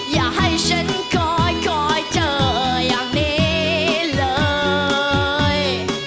อย่าให้ฉันคอยเจออย่างนี้เลย